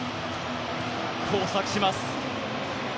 交錯します。